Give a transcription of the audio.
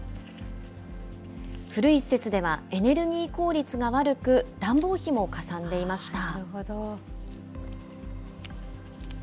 古い施設ではエネルギー効率が悪く、暖房費もかさんでいました。